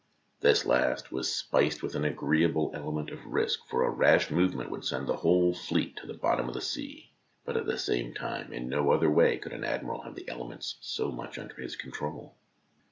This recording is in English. This last was spiced with an agreeable element of risk, for a rash movement would send the whole fleet to the bottom of the sea ; but at the same time in no other way could an admiral have the elements so much under his control.